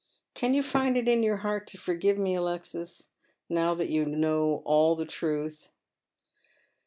Can you find k m your heart to forgive me, Alexis, now that you know all the truth